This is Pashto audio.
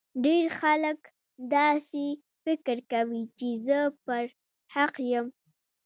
ډیر خلګ داسي فکر کوي چي زه پر حق یم